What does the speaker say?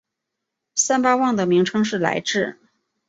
三巴旺的名称是来至。